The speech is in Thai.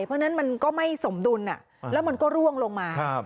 เพราะฉะนั้นมันก็ไม่สมดุลแล้วมันก็ร่วงลงมา